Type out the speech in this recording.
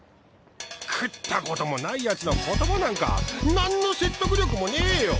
食ったこともない奴の言葉なんか何の説得力もねえよ！